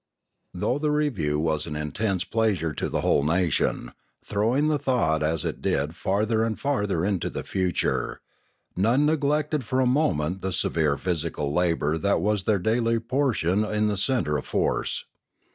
Though the review was an intense pleasure to the whole nation, throwing the thought as it did farther and farther into the future, none neglected for a mo ment the severe physical labour that was their daily • portion in the centre of force.